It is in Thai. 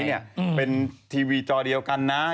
เวลาโชว์อยู่ชิงทีวีจอเดียวกันนะ